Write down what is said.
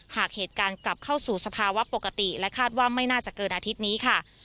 หากเหตุการณ์กลับเข้าสู่สภาวะปกติและคาดว่าไม่น่าจะเกินอาทิตย์นี้ค่ะ